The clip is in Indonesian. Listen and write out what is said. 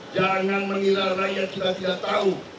jangan menilai rakyat kita tidak tahu